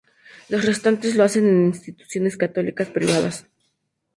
Los restantes lo hacen en instituciones católicas privadas.